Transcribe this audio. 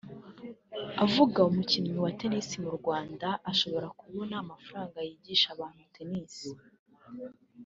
Avuga umukinnyi wa Tennis mu Rwanda ashobora kubona amafaranga yigisha abantu Tennis